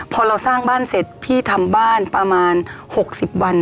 พอเราสร้างบ้านเสร็จพี่ทำบ้านประมาณ๖๐วัน